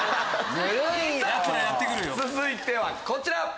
続いてはこちら。